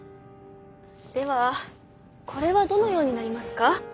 ではこれはどのようになりますか？